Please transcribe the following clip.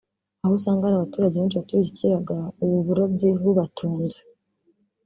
aho usanga hari abaturage benshi baturiye iki kiyaga ubu burobyi bubatunze